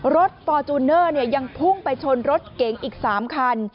ฟอร์จูเนอร์ยังพุ่งไปชนรถเก๋งอีก๓คัน